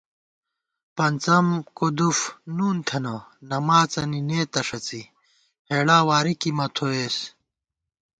پنڅَم کُدُف نُون تھنہ، نماڅَنی نېتہ ݭڅی، ہېڑا واری کی مہ تھویېس